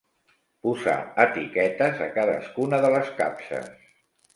Posar etiquetes a cadascuna de les capses.